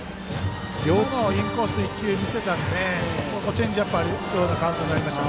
インコース１球見せたのでチェンジアップもあるようなカウントになりました。